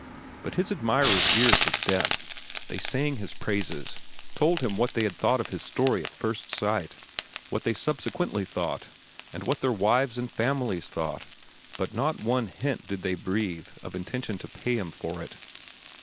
But his admirers' ears were deaf. They sang his praises, told him what they had thought of his story at first sight, what they subsequently thought, what their wives and families thought; but not one hint did they breathe of intention to pay him for it.